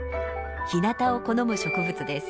ひなたを好む植物です。